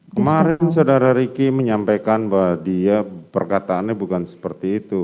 kemarin saudara ricky menyampaikan bahwa dia perkataannya bukan seperti itu